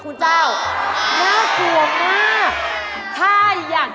คุณหลวง